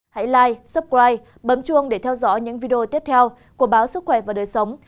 hãy like subscribe bấm chuông để theo dõi những video tiếp theo của báo sức khỏe và đời sống